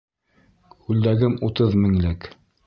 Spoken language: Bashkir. Күлдәгем утыҙ меңлек.